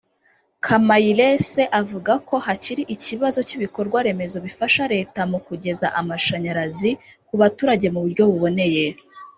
Kamayirese avuga ko hakiri ikibazo cy’ibikorwa remezo bifasha Leta mu kugeza amashanyarazi ku baturage mu buryo buboneye